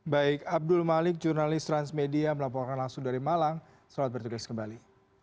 baik abdul malik jurnalis transmedia melaporkan langsung dari malang selamat bertugas kembali